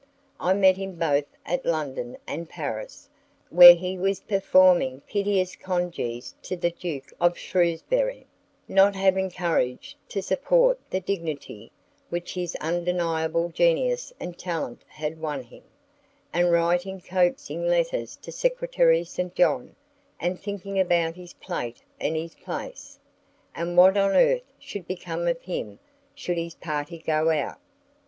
I met him both at London and Paris, where he was performing piteous congees to the Duke of Shrewsbury, not having courage to support the dignity which his undeniable genius and talent had won him, and writing coaxing letters to Secretary St. John, and thinking about his plate and his place, and what on earth should become of him should his party go out.